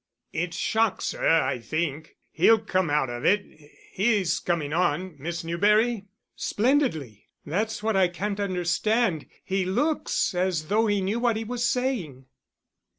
"It's shock, sir, I think. He'll come out of it. He's coming on, Miss Newberry?" "Splendidly. That's what I can't understand. He looks as though he knew what he was saying."